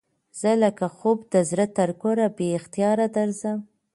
زه لکه خوب د زړه تر کوره بې اختیاره درځم